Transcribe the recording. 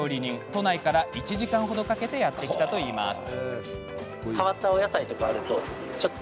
都内から１時間ほどかけてやって来たといいます。